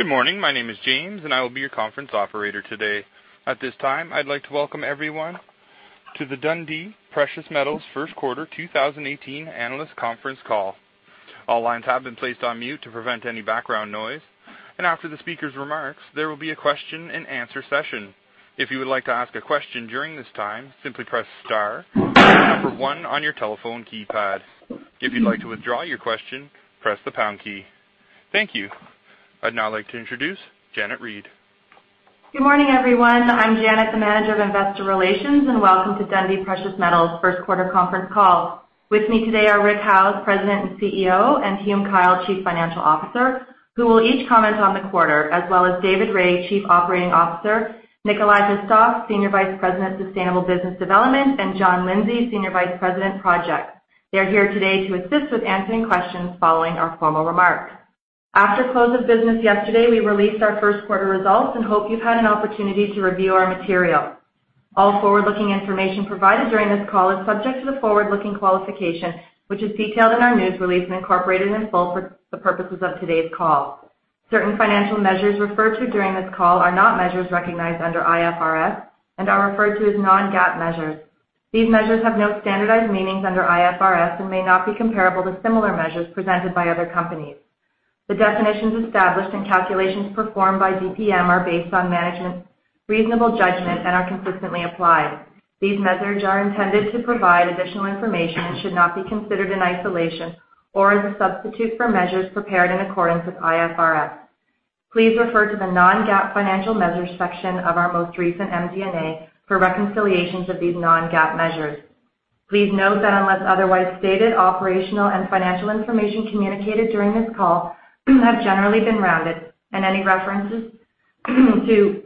Good morning. My name is James, I will be your conference operator today. At this time, I'd like to welcome everyone to the Dundee Precious Metals first quarter 2018 analyst conference call. All lines have been placed on mute to prevent any background noise. After the speaker's remarks, there will be a question and answer session. If you would like to ask a question during this time, simply press star 1 on your telephone keypad. If you'd like to withdraw your question, press the pound key. Thank you. I'd now like to introduce Janet Reid. Good morning, everyone. I'm Janet, the manager of investor relations, welcome to Dundee Precious Metals' first quarter conference call. With me today are Rick Howes, president and CEO; Hume Kyle, chief financial officer, who will each comment on the quarter, as well as David Rae, chief operating officer; Nikolay Hristov, senior vice president, sustainable business development; John Lindsay, senior vice president, projects. They are here today to assist with answering questions following our formal remarks. After close of business yesterday, we released our first quarter results and hope you've had an opportunity to review our material. All forward-looking information provided during this call is subject to the forward-looking qualification, which is detailed in our news release and incorporated in full for the purposes of today's call. Certain financial measures referred to during this call are not measures recognized under IFRS and are referred to as non-GAAP measures. These measures have no standardized meanings under IFRS and may not be comparable to similar measures presented by other companies. The definitions established and calculations performed by DPM are based on management's reasonable judgment and are consistently applied. These measures are intended to provide additional information and should not be considered in isolation or as a substitute for measures prepared in accordance with IFRS. Please refer to the non-GAAP financial measures section of our most recent MD&A for reconciliations of these non-GAAP measures. Please note that unless otherwise stated, operational and financial information communicated during this call have generally been rounded, any references to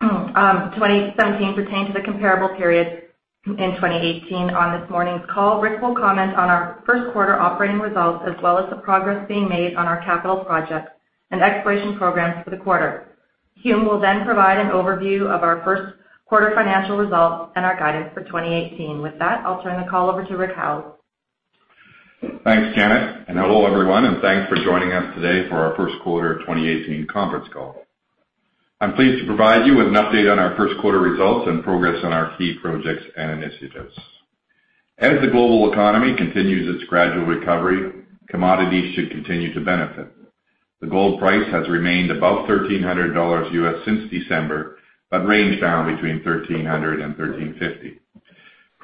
2017 pertain to the comparable period in 2018 on this morning's call. Rick will comment on our first quarter operating results, as well as the progress being made on our capital projects and exploration programs for the quarter. Hume will provide an overview of our first quarter financial results and our guidance for 2018. With that, I'll turn the call over to Rick Howes. Thanks, Janet. Hello everyone. Thanks for joining us today for our first quarter 2018 conference call. I am pleased to provide you with an update on our first quarter results and progress on our key projects and initiatives. As the global economy continues its gradual recovery, commodities should continue to benefit. The gold price has remained above $1,300 US since December, but ranged down between $1,300 and $1,350.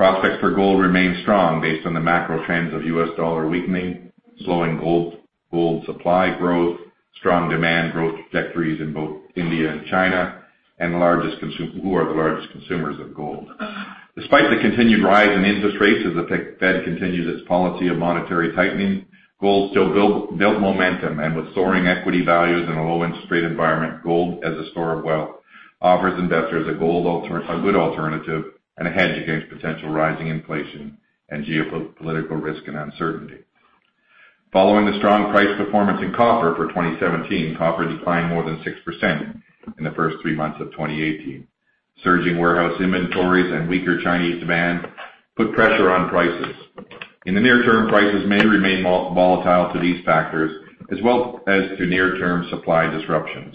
Prospects for gold remain strong based on the macro trends of US dollar weakening, slowing gold supply growth, strong demand growth trajectories in both India and China, who are the largest consumers of gold. Despite the continued rise in interest rates as the Fed continues its policy of monetary tightening, gold still built momentum. With soaring equity values in a low interest rate environment, gold as a store of wealth offers investors a good alternative and a hedge against potential rising inflation and geopolitical risk and uncertainty. Following the strong price performance in copper for 2017, copper declined more than 6% in the first three months of 2018. Surging warehouse inventories and weaker Chinese demand put pressure on prices. In the near term, prices may remain volatile to these factors, as well as to near term supply disruptions.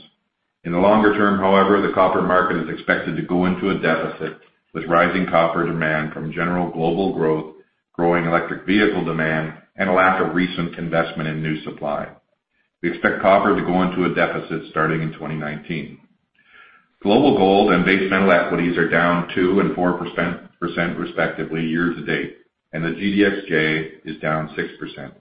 In the longer term, however, the copper market is expected to go into a deficit, with rising copper demand from general global growth, growing electric vehicle demand, and a lack of recent investment in new supply. We expect copper to go into a deficit starting in 2019. Global gold and base metal equities are down 2% and 4% respectively year to date. The GDXJ is down 6%.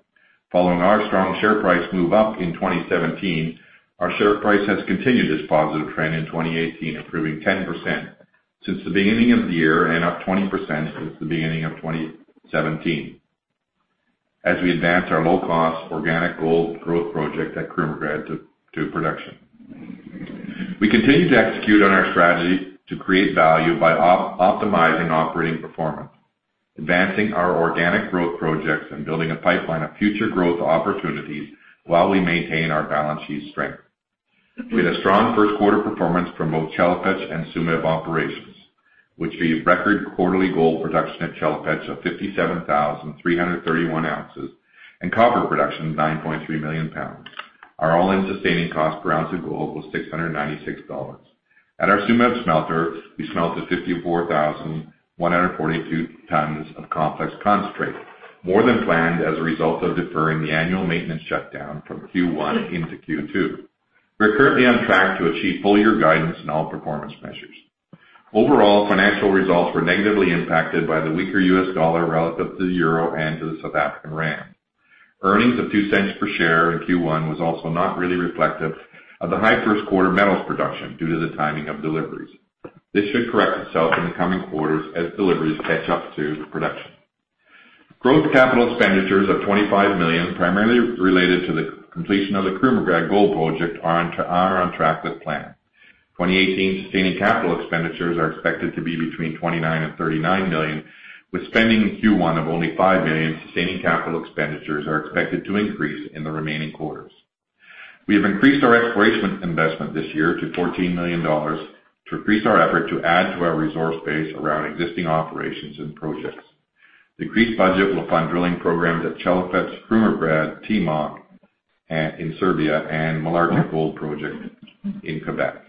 Following our strong share price move up in 2017, our share price has continued its positive trend in 2018, improving 10% since the beginning of the year and up 20% since the beginning of 2017, as we advance our low-cost organic gold growth project at Krumovgrad to production. We continue to execute on our strategy to create value by optimizing operating performance, advancing our organic growth projects, and building a pipeline of future growth opportunities while we maintain our balance sheet strength. We had a strong first quarter performance from both Chelopech and Tsumeb operations, which is record quarterly gold production at Chelopech of 57,331 ounces and copper production of 9.3 million pounds. Our all-in sustaining cost per ounce of gold was $696. At our Tsumeb smelter, we smelted 54,142 tons of complex concentrate, more than planned as a result of deferring the annual maintenance shutdown from Q1 into Q2. We are currently on track to achieve full year guidance in all performance measures. Overall, financial results were negatively impacted by the weaker US dollar relative to the euro and to the South African rand. Earnings of $0.02 per share in Q1 was also not really reflective of the high first quarter metals production due to the timing of deliveries. This should correct itself in the coming quarters as deliveries catch up to the production. Growth capital expenditures of $25 million, primarily related to the completion of the Krumovgrad Gold Project, are on track with plan. 2018 sustaining capital expenditures are expected to be between $29 million and $39 million with spending in Q1 of only $5 million. Sustaining capital expenditures are expected to increase in the remaining quarters. We have increased our exploration investment this year to $14 million to increase our effort to add to our resource base around existing operations and projects. The increased budget will fund drilling programs at Chelopech, Krumovgrad, Timok in Serbia, and Malartic Gold Project in Quebec.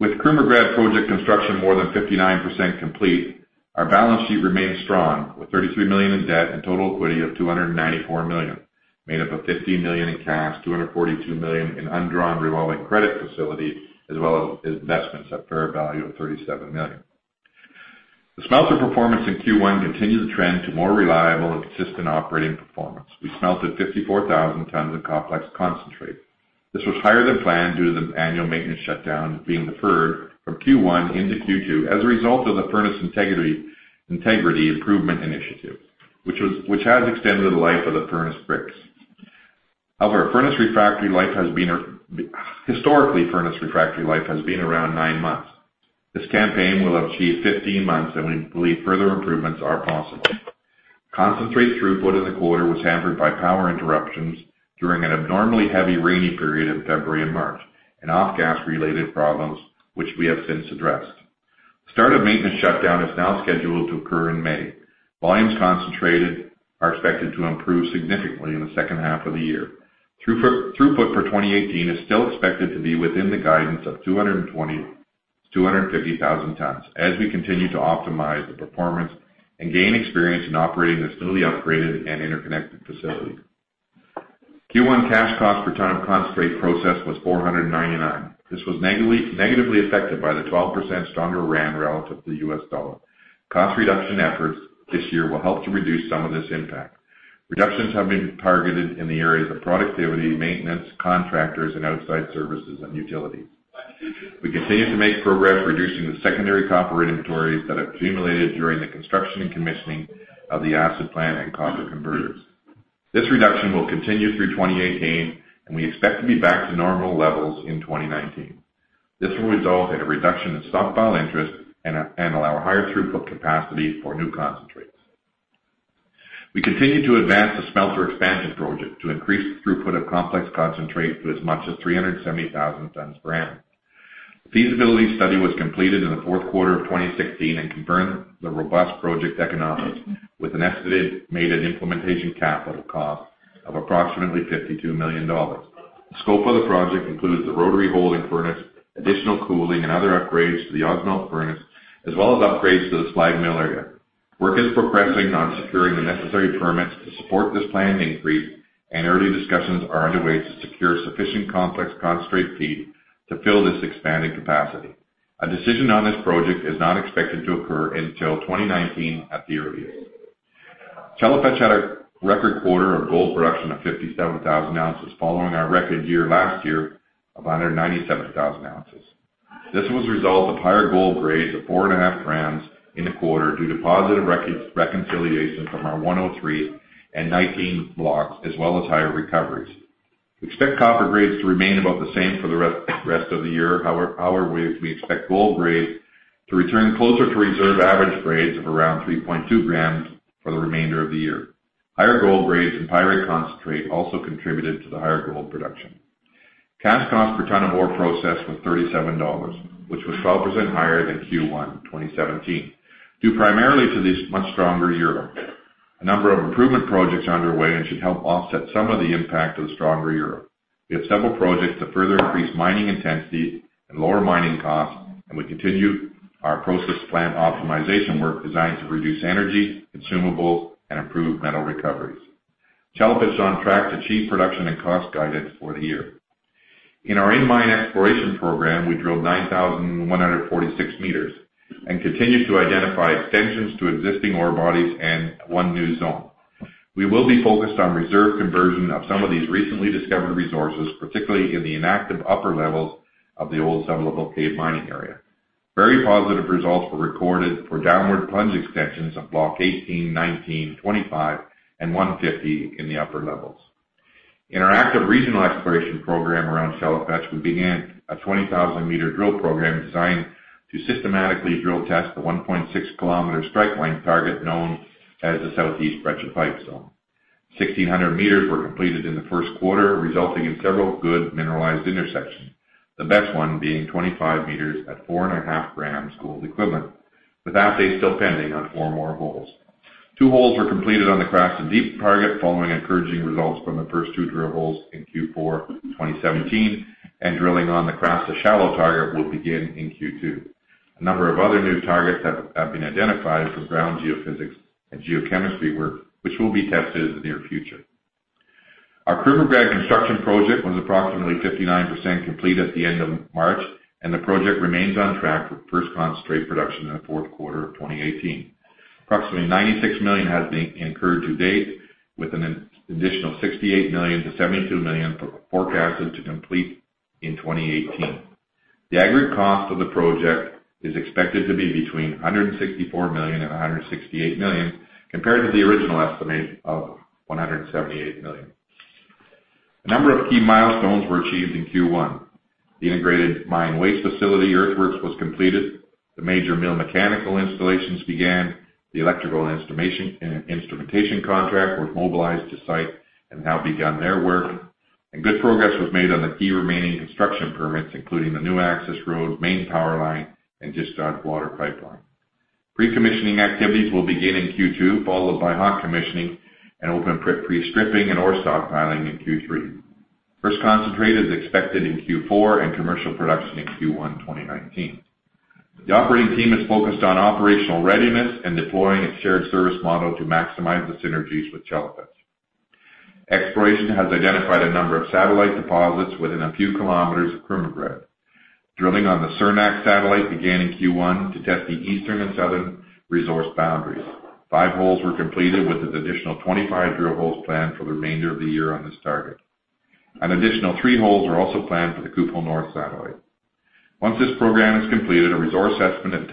With Krumovgrad project construction more than 59% complete, our balance sheet remains strong, with $33 million in debt and total equity of $294 million, made up of $15 million in cash, $242 million in undrawn revolving credit facility, as well as investments at fair value of $37 million. The smelter performance in Q1 continued the trend to more reliable and consistent operating performance. We smelted 54,000 tons of complex concentrate. This was higher than planned due to the annual maintenance shutdown being deferred from Q1 into Q2 as a result of the furnace integrity improvement initiative, which has extended the life of the furnace bricks. Historically, furnace refractory life has been around nine months. This campaign will achieve 15 months, and we believe further improvements are possible. Concentrate throughput in the quarter was hampered by power interruptions during an abnormally heavy rainy period in February and March, and off-gas related problems, which we have since addressed. The start of maintenance shutdown is now scheduled to occur in May. Volumes concentrated are expected to improve significantly in the second half of the year. Throughput for 2018 is still expected to be within the guidance of 220,000-250,000 tons as we continue to optimize the performance and gain experience in operating this newly upgraded and interconnected facility. Q1 cash cost per ton of concentrate processed was 499. This was negatively affected by the 12% stronger rand relative to the US dollar. Cost reduction efforts this year will help to reduce some of this impact. Reductions have been targeted in the areas of productivity, maintenance, contractors, and outside services and utilities. We continue to make progress reducing the secondary copper inventories that have accumulated during the construction and commissioning of the acid plant and copper converters. This reduction will continue through 2018, and we expect to be back to normal levels in 2019. This will result in a reduction in stockpile interest and allow higher throughput capacity for new concentrates. We continue to advance the smelter expansion project to increase throughput of complex concentrate to as much as 370,000 tons per annum. The feasibility study was completed in the fourth quarter of 2016 and confirmed the robust project economics with an estimated main and implementation capital cost of approximately ZAR 52 million. The scope of the project includes the rotary holding furnace, additional cooling, and other upgrades to the Ausmelt furnace, as well as upgrades to the slag mill area. Early discussions are underway to secure sufficient complex concentrate feed to fill this expanded capacity. A decision on this project is not expected to occur until 2019 at the earliest. Chelopech had a record quarter of gold production of 57,000 ounces, following our record year last year of 197,000 ounces. This was a result of higher gold grades of 4.5 grams in the quarter due to positive reconciliation from our 103 and 19 blocks, as well as higher recoveries. We expect copper grades to remain about the same for the rest of the year. However, we expect gold grades to return closer to reserve average grades of around 3.2 grams for the remainder of the year. Higher gold grades and higher concentrate also contributed to the higher gold production. Cash cost per tonne of ore processed was $37, which was 12% higher than Q1 2017, due primarily to the much stronger EUR. A number of improvement projects are underway and should help offset some of the impact of the stronger EUR. We have several projects to further increase mining intensity and lower mining costs, and we continue our process plant optimization work designed to reduce energy, consumables, and improve metal recoveries. Chelopech is on track to achieve production and cost guidance for the year. In our in-mine exploration program, we drilled 9,146 meters and continued to identify extensions to existing ore bodies and one new zone. We will be focused on reserve conversion of some of these recently discovered resources, particularly in the inactive upper levels of the old sublevel cave mining area. Very positive results were recorded for downward plunge extensions of block 18, 19, 25, and 150 in the upper levels. In our active regional exploration program around Chelopech, we began a 20,000-meter drill program designed to systematically drill test the 1.6-kilometer strike length target known as the South East Breccia Pipe zone. 1,600 meters were completed in the first quarter, resulting in several good mineralized intersections, the best one being 25 meters at 4.5 grams gold equivalent, with assays still pending on four more holes. Two holes were completed on the Krasna Deep target following encouraging results from the first two drill holes in Q4 2017, and drilling on the Krasna Shallow target will begin in Q2. A number of other new targets have been identified from ground geophysics and geochemistry work, which will be tested in the near future. Our Krumovgrad construction project was approximately 59% complete at the end of March, and the project remains on track for first concentrate production in the fourth quarter of 2018. Approximately $96 million has been incurred to date, with an additional $68 million to $72 million forecasted to complete in 2018. The aggregate cost of the project is expected to be between $164 million and $168 million, compared to the original estimate of $178 million. A number of key milestones were achieved in Q1. The integrated mine waste facility earthworks was completed. The major mill mechanical installations began. The electrical and instrumentation contract was mobilized to site and have now begun their work. Good progress was made on the key remaining construction permits, including the new access road, main power line, and discharge water pipeline. Pre-commissioning activities will begin in Q2, followed by hot commissioning and open pit pre-stripping and ore stockpiling in Q3. First concentrate is expected in Q4 and commercial production in Q1 2019. The operating team is focused on operational readiness and deploying its shared service model to maximize the synergies with Chelopech. Exploration has identified a number of satellite deposits within a few kilometers of Krumovgrad. Drilling on the Sernak satellite began in Q1 to test the eastern and southern resource boundaries. Five holes were completed with an additional 25 drill holes planned for the remainder of the year on this target. An additional three holes are also planned for the Kupol North satellite. Once this program is completed, a resource assessment and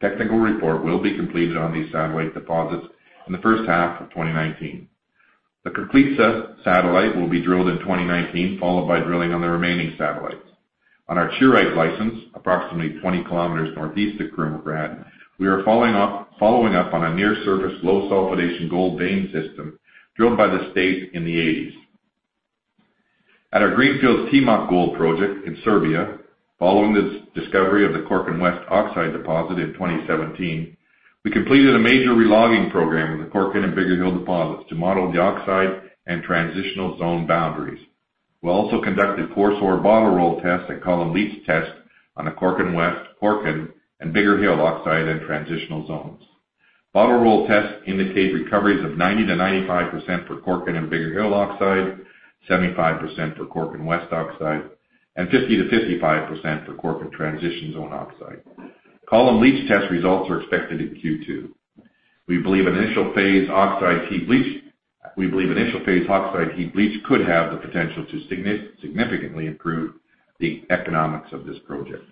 technical report will be completed on these satellite deposits in the first half of 2019. The Kompleks satellite will be drilled in 2019, followed by drilling on the remaining satellites. On our Chirugite license, approximately 20 kilometers northeast of Krumovgrad, we are following up on a near-surface low-sulfidation gold vein system drilled by the state in the 1980s. At our greenfields Timok Gold project in Serbia, following the discovery of the Korkin West oxide deposit in 2017, we completed a major re-logging program of the Korkin and Bigger Hill deposits to model the oxide and transitional zone boundaries. We also conducted coarse ore bottle roll tests and column leach tests on the Korkin West, Korkin, and Bigger Hill oxide and transitional zones. Bottle roll tests indicate recoveries of 90%-95% for Korkin and Bigger Hill oxide, 75% for Korkin West oxide, and 50%-55% for Korkin transition zone oxide. Column leach test results are expected in Q2. We believe initial phase oxide heap leach could have the potential to significantly improve the economics of this project.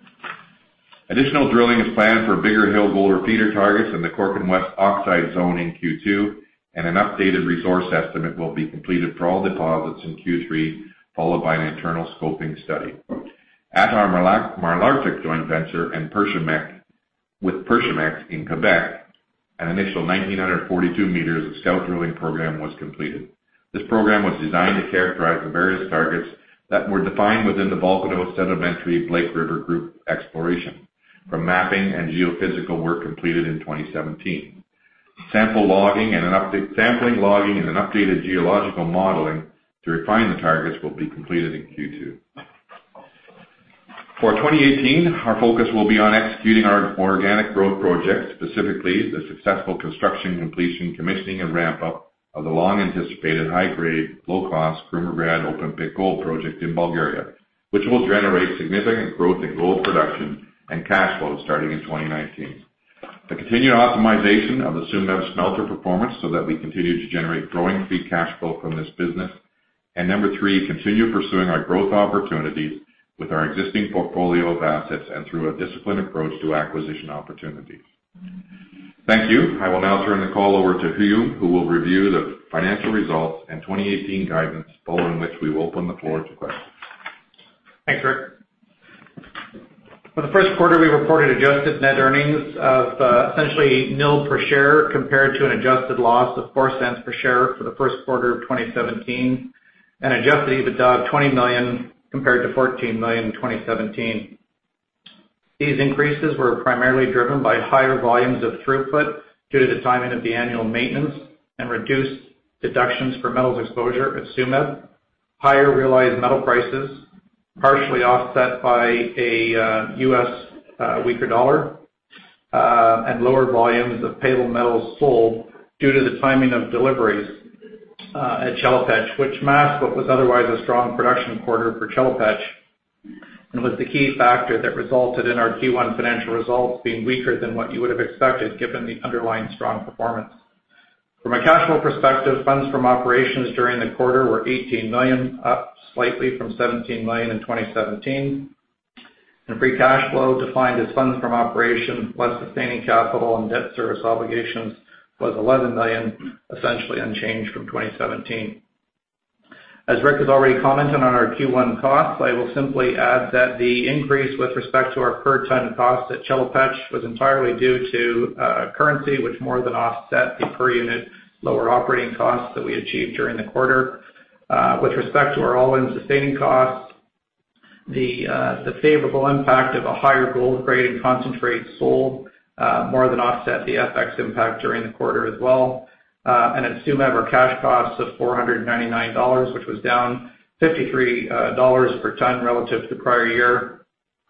Additional drilling is planned for Bigger Hill gold repeater targets in the Korkin West oxide zone in Q2, and an updated resource estimate will be completed for all deposits in Q3, followed by an internal scoping study. At our Malartic joint venture with Pershimco in Quebec, an initial 1,942 meters of scout drilling program was completed. This program was designed to characterize the various targets that were defined within the volcano sedimentary Blake River Group exploration from mapping and geophysical work completed in 2017. Sampling, logging, and an updated geological modeling to refine the targets will be completed in Q2. For 2018, our focus will be on executing our organic growth projects, specifically the successful construction, completion, commissioning, and ramp-up of the long-anticipated high-grade, low-cost Krumovgrad open pit gold project in Bulgaria, which will generate significant growth in gold production and cash flow starting in 2019. The continued optimization of the Tsumeb smelter performance so that we continue to generate growing free cash flow from this business. Number three, continue pursuing our growth opportunities with our existing portfolio of assets and through a disciplined approach to acquisition opportunities. Thank you. I will now turn the call over to Hume, who will review the financial results and 2018 guidance, following which we will open the floor to questions. Thanks, Rick. For the first quarter, we reported adjusted net earnings of essentially nil per share, compared to an adjusted loss of $0.04 per share for the first quarter of 2017, and adjusted EBITDA of $20 million compared to $14 million in 2017. These increases were primarily driven by higher volumes of throughput due to the timing of the annual maintenance and reduced deductions for metals exposure at Tsumeb, higher realized metal prices, partially offset by a U.S. weaker dollar, and lower volumes of payable metals sold due to the timing of deliveries at Chelopech, which masked what was otherwise a strong production quarter for Chelopech and was the key factor that resulted in our Q1 financial results being weaker than what you would have expected given the underlying strong performance. From a cash flow perspective, funds from operations during the quarter were $18 million, up slightly from $17 million in 2017. Free cash flow defined as funds from operations plus sustaining capital and debt service obligations was $11 million, essentially unchanged from 2017. As Rick has already commented on our Q1 costs, I will simply add that the increase with respect to our per ton cost at Chelopech was entirely due to currency, which more than offset the per unit lower operating costs that we achieved during the quarter. With respect to our all-in sustaining costs, the favorable impact of a higher gold grade in concentrates sold more than offset the FX impact during the quarter as well. At Tsumeb, our cash costs of $499, which was down $53 per ton relative to prior year,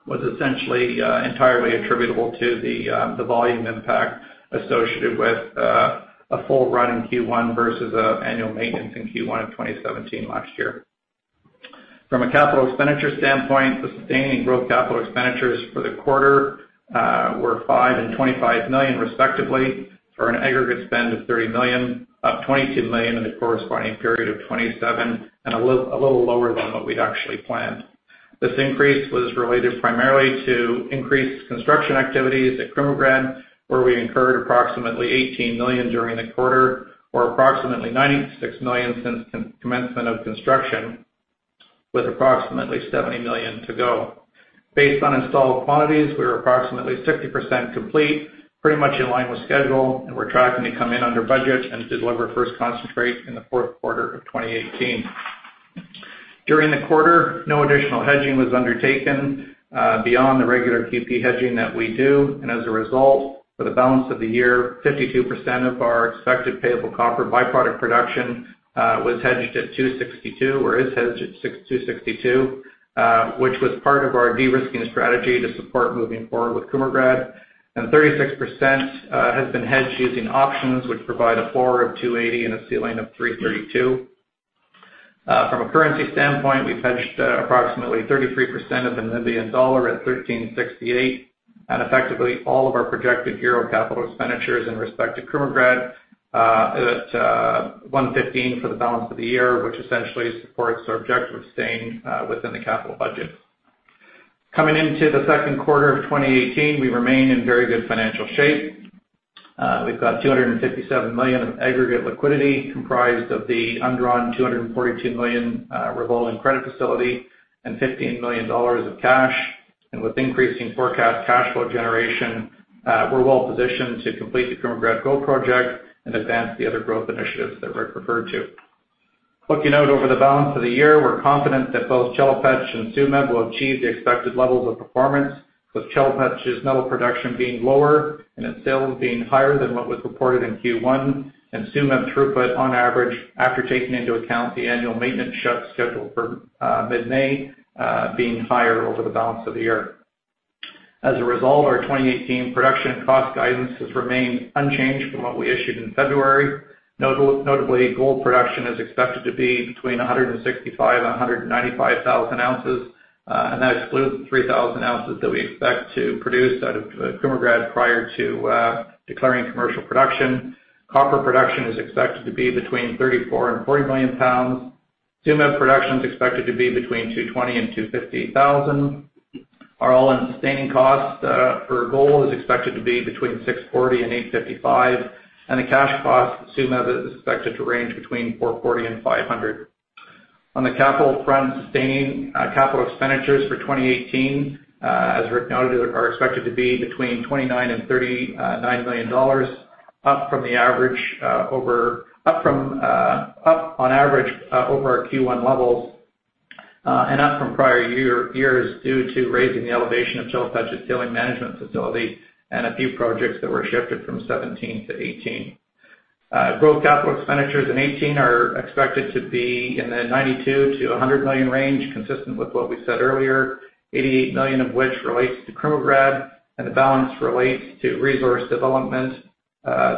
was essentially entirely attributable to the volume impact associated with a full run in Q1 versus annual maintenance in Q1 of 2017 last year. From a capital expenditure standpoint, the sustaining growth capital expenditures for the quarter were $5 million and $25 million respectively for an aggregate spend of $30 million, up $22 million in the corresponding period of [2017], and a little lower than what we'd actually planned. This increase was related primarily to increased construction activities at Krumovgrad, where we incurred approximately $18 million during the quarter, or approximately $96 million since commencement of construction. With approximately $70 million to go. Based on installed quantities, we are approximately 60% complete, pretty much in line with schedule, and we're tracking to come in under budget and deliver first concentrate in the fourth quarter of 2018. During the quarter, no additional hedging was undertaken beyond the regular QP hedging that we do. As a result, for the balance of the year, 52% of our expected payable copper byproduct production was hedged at $2.62 or is hedged at $2.62, which was part of our de-risking strategy to support moving forward with Krumovgrad. 36% has been hedged using options, which provide a floor of $2.80 and a ceiling of $3.32. From a currency standpoint, we've hedged approximately 33% of the Namibian dollar at NAD 13.68, and effectively all of our projected EUR capital expenditures in respect to Krumovgrad at 1.15 for the balance of the year, which essentially supports our objective of staying within the capital budget. Coming into the second quarter of 2018, we remain in very good financial shape. We've got $257 million of aggregate liquidity comprised of the undrawn $242 million revolving credit facility and $15 million of cash. With increasing forecast cash flow generation, we're well positioned to complete the Krumovgrad Gold Project and advance the other growth initiatives that Rick referred to. Looking out over the balance of the year, we're confident that both Chelopech and Tsumeb will achieve the expected levels of performance, with Chelopech's metal production being lower and its sales being higher than what was reported in Q1, Tsumeb throughput on average after taking into account the annual maintenance shut scheduled for mid-May, being higher over the balance of the year. As a result, our 2018 production and cost guidance has remained unchanged from what we issued in February. Notably, gold production is expected to be between 165,000 and 195,000 ounces, and that excludes the 3,000 ounces that we expect to produce out of Krumovgrad prior to declaring commercial production. Copper production is expected to be between 34 and 40 million pounds. Tsumeb production is expected to be between 220,000 and 250,000 tons. Our all-in sustaining cost for gold is expected to be between $640 and $855, and the cash cost at Tsumeb is expected to range between $440 and $500. On the capital front, sustaining capital expenditures for 2018, as Rick noted, are expected to be between $29 million and $39 million, up on average over our Q1 levels, and up from prior years due to raising the elevation of Chelopech's tailings management facility and a few projects that were shifted from 2017 to 2018. Growth capital expenditures in 2018 are expected to be in the $92 million to $100 million range, consistent with what we said earlier, $88 million of which relates to Krumovgrad, and the balance relates to resource development,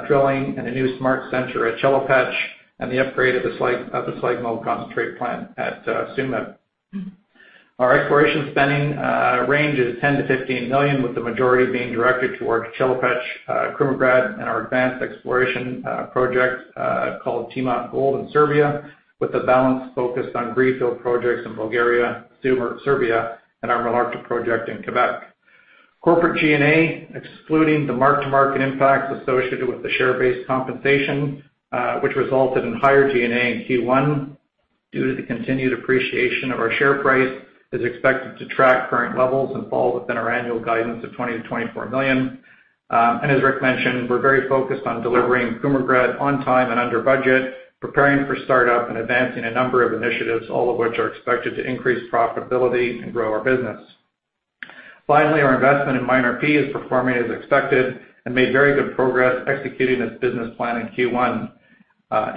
drilling, and a new SMART Centre at Chelopech, and the upgrade of the slag milling and flotation plant at Tsumeb. Our exploration spending range is $10 million to $15 million, with the majority being directed towards Chelopech, Krumovgrad, and our advanced exploration project called Timok Gold in Serbia, with the balance focused on greenfield projects in Bulgaria, Serbia, and our Malartic project in Quebec. Corporate G&A, excluding the mark-to-market impacts associated with the share-based compensation, which resulted in higher G&A in Q1 due to the continued appreciation of our share price, is expected to track current levels and fall within our annual guidance of $20 million to $24 million. As Rick mentioned, we're very focused on delivering Krumovgrad on time and under budget, preparing for startup and advancing a number of initiatives, all of which are expected to increase profitability and grow our business. Finally, our investment in MineRP is performing as expected and made very good progress executing its business plan in Q1.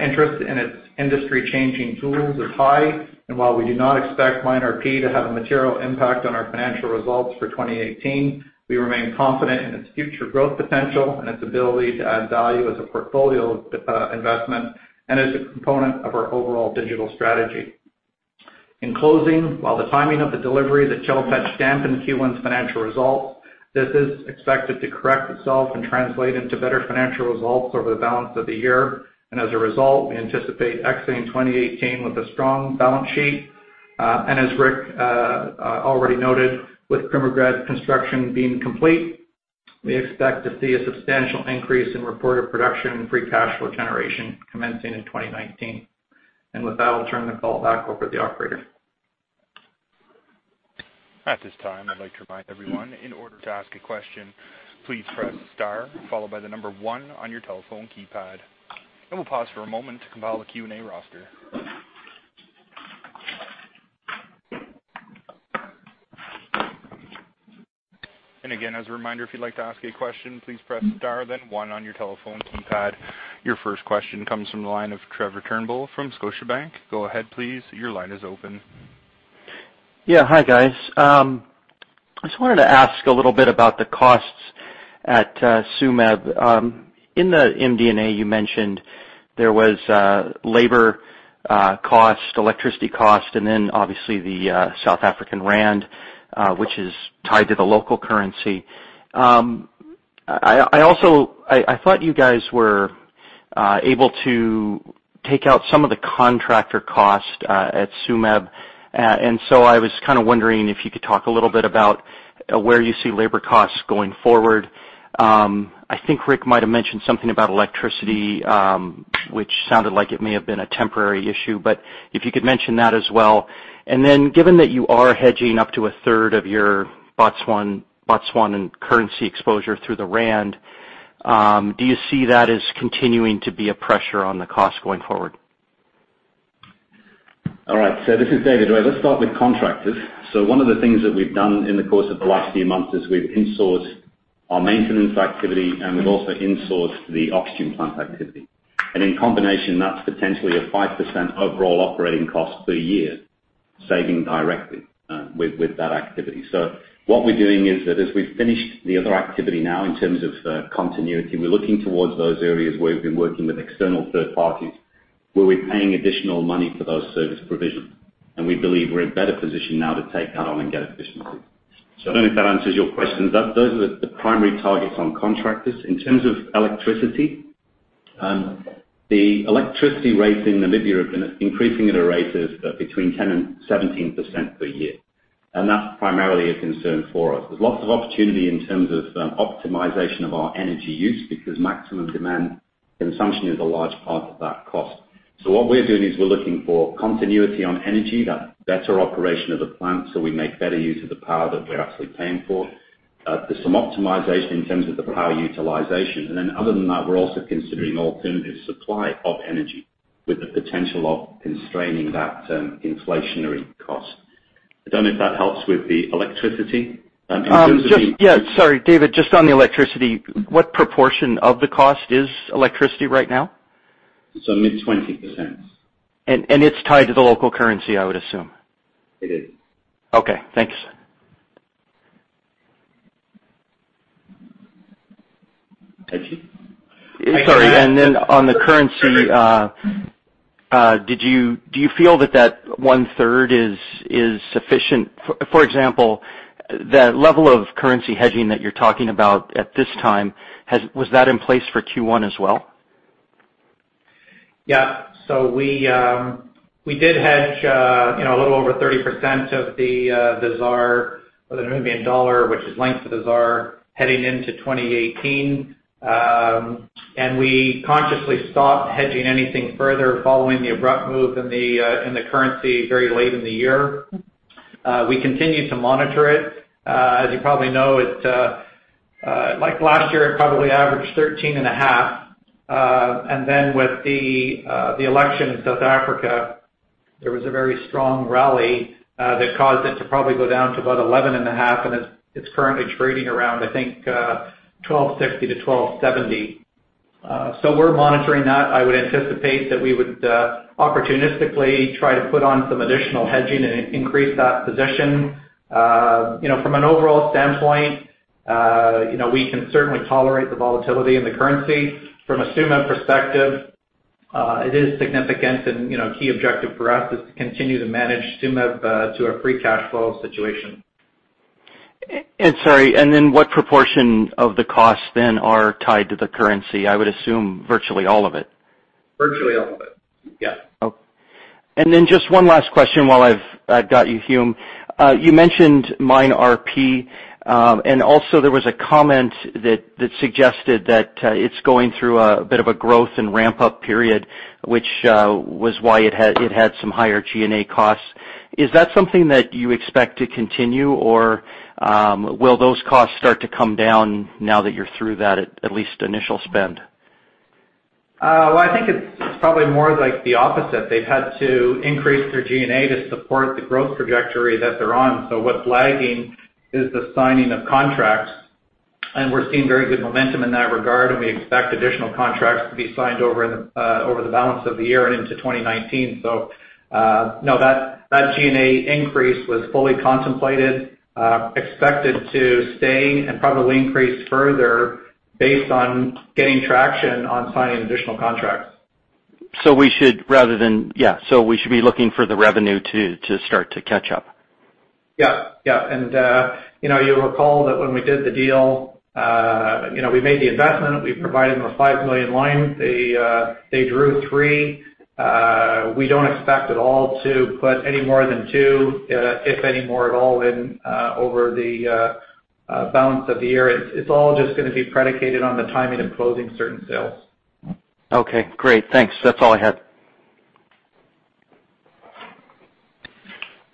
Interest in its industry-changing tools is high, while we do not expect MineRP to have a material impact on our financial results for 2018, we remain confident in its future growth potential and its ability to add value as a portfolio investment and as a component of our overall digital strategy. In closing, while the timing of the delivery at the Chelopech dampened Q1's financial results, this is expected to correct itself and translate into better financial results over the balance of the year. As a result, we anticipate exiting 2018 with a strong balance sheet. As Rick already noted, with Krumovgrad construction being complete, we expect to see a substantial increase in reported production and free cash flow generation commencing in 2019. With that, I'll turn the call back over to the operator. At this time, I'd like to remind everyone, in order to ask a question, please press star followed by the number one on your telephone keypad, and we'll pause for a moment to compile a Q&A roster. Again, as a reminder, if you'd like to ask a question, please press star then one on your telephone keypad. Your first question comes from the line of Trevor Turnbull from Scotiabank. Go ahead, please. Your line is open. Yeah. Hi, guys. I just wanted to ask a little bit about the costs at Tsumeb. In the MD&A, you mentioned there was labor cost, electricity cost, then obviously the South African rand, which is tied to the local currency. I thought you guys were able to take out some of the contractor cost at Tsumeb, I was kind of wondering if you could talk a little bit about where you see labor costs going forward I think Rick might have mentioned something about electricity, which sounded like it may have been a temporary issue. If you could mention that as well. Given that you are hedging up to a third of your Botswana and currency exposure through the rand, do you see that as continuing to be a pressure on the cost going forward? All right. This is David. Let's start with contractors. One of the things that we've done in the course of the last few months is we've insourced our maintenance activity, and we've also insourced the oxygen plant activity. In combination, that's potentially a 5% overall operating cost per year saving directly with that activity. What we're doing is that as we've finished the other activity now in terms of continuity, we're looking towards those areas where we've been working with external third parties, where we're paying additional money for those service provisions. We believe we're in a better position now to take that on and get efficiency. I don't know if that answers your question. Those are the primary targets on contractors. In terms of electricity, the electricity rates in Namibia have been increasing at a rate of between 10% and 17% per year. That's primarily a concern for us. There's lots of opportunity in terms of optimization of our energy use, because maximum demand consumption is a large part of that cost. What we're doing is we're looking for continuity on energy, that better operation of the plant so we make better use of the power that we're actually paying for. There's some optimization in terms of the power utilization. Other than that, we're also considering alternative supply of energy with the potential of constraining that inflationary cost. I don't know if that helps with the electricity. Yeah. Sorry, David, just on the electricity, what proportion of the cost is electricity right now? It's mid 20%. It's tied to the local currency, I would assume. It is. Okay, thanks. Hume? Sorry. On the currency, do you feel that that one-third is sufficient? For example, the level of currency hedging that you're talking about at this time, was that in place for Q1 as well? Yeah. We did hedge a little over 30% of the ZAR or the Namibian dollar, which is linked to the ZAR, heading into 2018. We consciously stopped hedging anything further following the abrupt move in the currency very late in the year. We continue to monitor it. As you probably know, like last year, it probably averaged 13.5. With the election in South Africa, there was a very strong rally that caused it to probably go down to about 11.5, and it's currently trading around, I think, 12.60-12.70. We're monitoring that. I would anticipate that we would opportunistically try to put on some additional hedging and increase that position. From an overall standpoint, we can certainly tolerate the volatility in the currency. From a Tsumeb perspective, it is significant and key objective for us is to continue to manage Tsumeb to a free cash flow situation. Sorry, what proportion of the costs then are tied to the currency? I would assume virtually all of it. Virtually all of it. Yeah. Okay. Just one last question while I've got you, Hume. You mentioned MineRP, also there was a comment that suggested that it's going through a bit of a growth and ramp-up period, which was why it had some higher G&A costs. Is that something that you expect to continue, or will those costs start to come down now that you're through that at least initial spend? I think it's probably more like the opposite. They've had to increase their G&A to support the growth trajectory that they're on. What's lagging is the signing of contracts, and we're seeing very good momentum in that regard, and we expect additional contracts to be signed over the balance of the year and into 2019. No, that G&A increase was fully contemplated, expected to stay, and probably increase further based on getting traction on signing additional contracts. We should be looking for the revenue to start to catch up. Yeah. You'll recall that when we did the deal, we made the investment. We provided them a 5 million line. They drew 3. We don't expect at all to put any more than 2, if any more at all, in over the balance of the year. It's all just going to be predicated on the timing of closing certain sales. Okay, great. Thanks. That's all I had.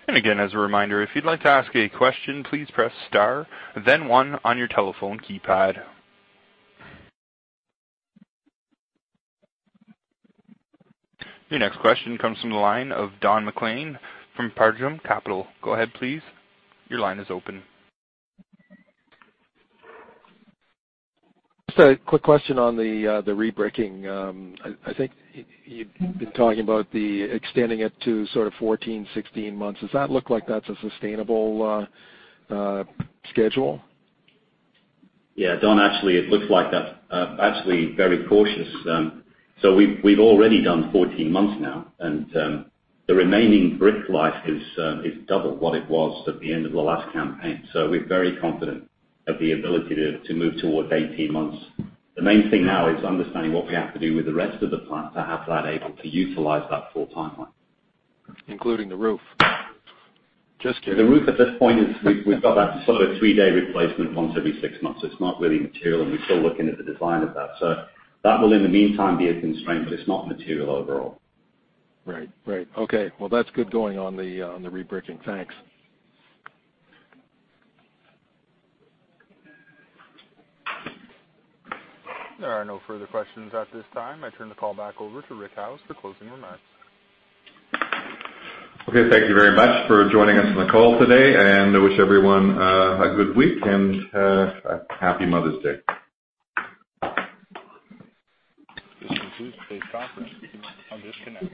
Again, as a reminder, if you'd like to ask a question, please press star then one on your telephone keypad. Your next question comes from the line of Don MacLean from Paradigm Capital. Go ahead, please. Your line is open. Just a quick question on the rebricking. I think you've been talking about extending it to sort of 14, 16 months. Does that look like that's a sustainable schedule? Yeah. Don, actually it looks like that's actually very cautious. We've already done 14 months now, and the remaining brick life is double what it was at the end of the last campaign. We're very confident of the ability to move towards 18 months. The main thing now is understanding what we have to do with the rest of the plant to have that able to utilize that full timeline. Including the roof. Just kidding. The roof at this point is we've got that sort of three-day replacement once every six months. It's not really material, and we're still looking at the design of that. That will in the meantime be a constraint, but it's not material overall. Right. Okay. Well, that's good going on the rebricking. Thanks. There are no further questions at this time. I turn the call back over to Rick Howes for closing remarks. Okay, thank you very much for joining us on the call today, and I wish everyone a good week and a Happy Mother's Day. This concludes today's conference. You may disconnect.